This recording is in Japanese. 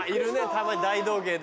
たまに大道芸で。